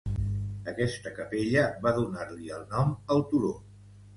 Aquesta capella va donar-li el nom al turó.